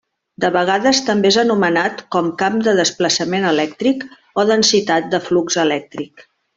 De vegades també és anomenat com camp de desplaçament elèctric o densitat de flux elèctric.